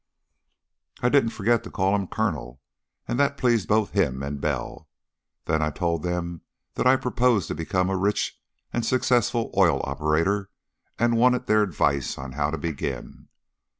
"I didn't forget to call him 'Colonel,' and that pleased both him and Bell. Then I told them that I proposed to become a rich and successful oil operator and wanted their advice how to begin.